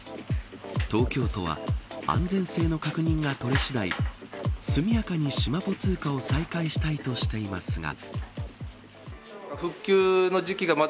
東京都は安全性の確認が取れ次第速やかに、しまぽ通貨を再開したいとしていますが。